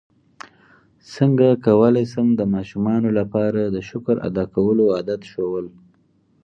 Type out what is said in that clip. څنګه کولی شم د ماشومانو لپاره د شکر ادا کولو عادت ښوول